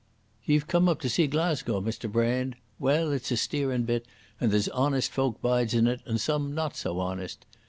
"Ye've come up to see Glasgow, Mr Brand? Well, it's a steerin' bit, and there's honest folk bides in it, and some not so honest.